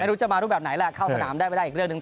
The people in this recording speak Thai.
ไม่รู้จะมารูปแบบไหนแหละเข้าสนามได้ไม่ได้อีกเรื่องหนึ่ง